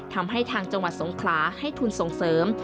ทางจังหวัดสงขลาให้ทุนส่งเสริม